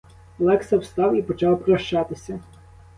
Олекса встав і почав прощатися.